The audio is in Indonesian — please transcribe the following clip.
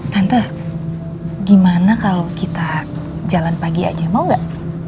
tante gimana kalau kita jalan pagi aja mau gak